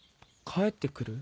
帰ってくる？